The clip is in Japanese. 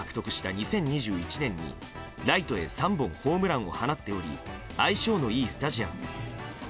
２０２１年にライトへ３本ホームランを放ったのも相性のいいスタジアム。